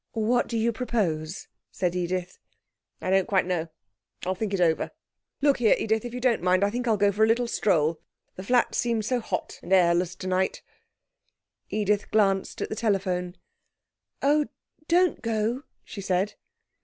'What do you propose?' said Edith. 'I don't quite know; I'll think it over. Look here, Edith, if you don't mind, I think I'll go for a little stroll. The flat seems so hot and airless tonight' Edith glanced at the telephone. 'Oh, don't go,' she said.